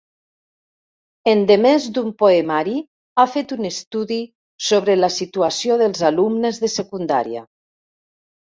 Endemés d'un poemari ha fet un estudi sobre la situació dels alumnes de secundària.